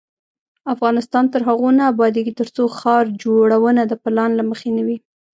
افغانستان تر هغو نه ابادیږي، ترڅو ښار جوړونه د پلان له مخې نه وي.